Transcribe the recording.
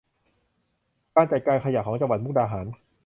การจัดการขยะของจังหวัดมุกดาหาร